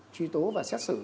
chuy tố và xét xử